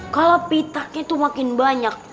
kalau pitak itu makin banyak